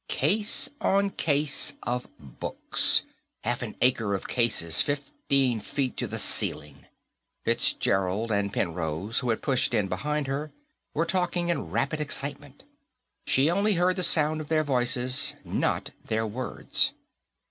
Case on case of books, half an acre of cases, fifteen feet to the ceiling. Fitzgerald, and Penrose, who had pushed in behind her, were talking in rapid excitement; she only heard the sound of their voices, not their words.